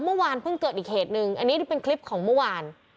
เมื่อวานเพิ่งเกิดอีกเหตุหนึ่งอันนี้เป็นคลิปของเมื่อวาน